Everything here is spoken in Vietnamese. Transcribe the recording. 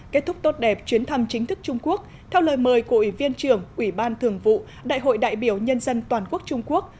kết thúc tốt đẹp chuyến thăm chính thức trung quốc theo lời mời của ủy viên trưởng ủy ban thường vụ đại hội đại biểu nhân dân toàn quốc trung quốc